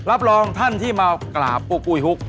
รับรองท่านที่มากราบปุ๊กอุ้ยฮุก